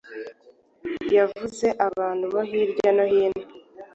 Yavuze abantu bo hirya no hino